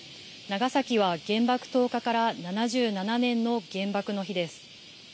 長崎は原爆投下から７７年の原爆の日です。